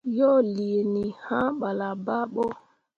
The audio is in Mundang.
Yo liini, hã ɓala baaɓo.